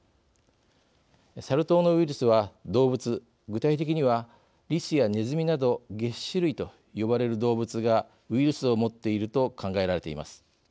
サル痘のウイルスは動物、具体的にはリスやネズミなどげっ歯類と呼ばれる動物がウイルスを持っていると考えられています。